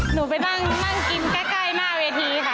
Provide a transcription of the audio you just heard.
หนูไปนั่งกินใกล้หน้าเวทีค่ะ